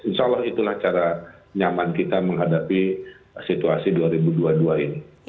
insya allah itulah cara nyaman kita menghadapi situasi dua ribu dua puluh dua ini